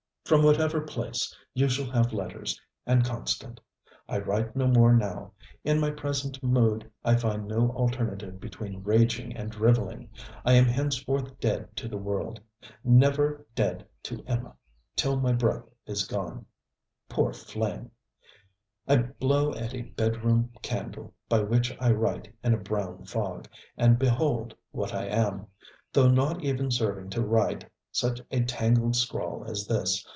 From whatever place, you shall have letters, and constant. I write no more now. In my present mood I find no alternative between rageing and drivelling. I am henceforth dead to the world. Never dead to Emma till my breath is gone poor flame! I blow at a bed room candle, by which I write in a brown fog, and behold what I am though not even serving to write such a tangled scrawl as this.